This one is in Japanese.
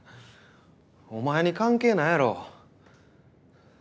お前に関係ないやろ。